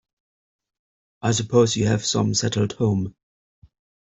I suppose you have some settled home.